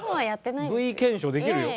Ｖ検証できるよ。